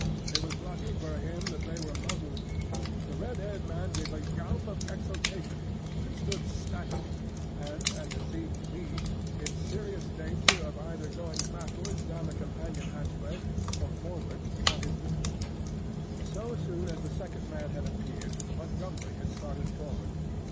It was lucky for him that they were muzzled. The red haired man gave a yawp of exultation and stood staggering, and as it seemed to me in serious danger of either going backwards down the companion hatchway or forwards upon his victim. So soon as the second man had appeared, Montgomery had started forward.